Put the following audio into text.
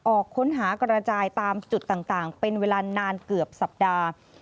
ออกค้นหากระจายตามจุดต่างเป็นเวลานานเกือบสัปดาห์